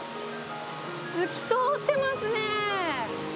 透き通ってますね。